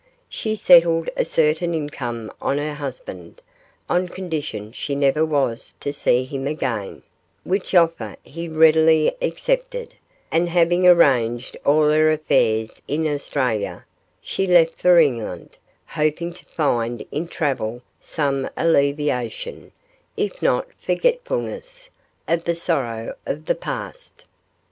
She settled a certain income on her husband, on condition she never was to see him again, which offer he readily accepted, and having arranged all her affairs in Australia, she left for England, hoping to find in travel some alleviation, if not forgetfulness, of the sorrow of the past.